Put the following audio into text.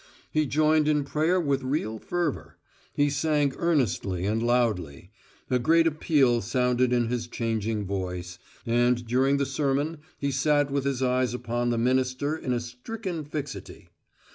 He joined in prayer with real fervour; he sang earnestly and loudly; a great appeal sounded in his changing voice; and during the sermon he sat with his eyes upon the minister in a stricken fixity.